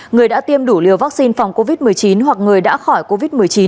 người đã tiêm đủ liều vaccine phòng covid một mươi chín hoặc người đã khỏi covid một mươi chín